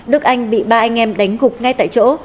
đức anh bị ba anh em đánh gục ngay tại chỗ